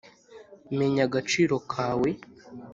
menya agaciro kawe.